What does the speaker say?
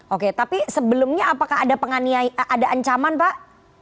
oke tapi sebelumnya apakah ada ancaman pak